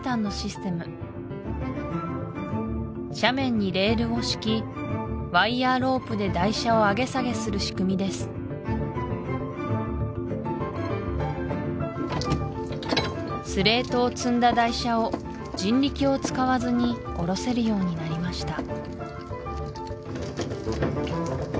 スレートを積んだ台車を人力を使わずに下ろせるようになりました